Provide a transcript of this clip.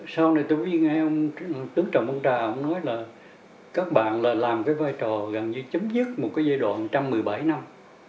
sau này tôi nghe ông tướng trọng văn trà ông nói là các bạn là làm cái vai trò gần như chấm dứt một cái giai đoạn trăm mười bảy năm